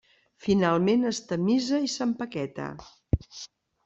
Finalment es tamisa i s'empaqueta.